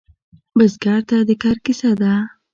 بزګر ته د کر کیسه ده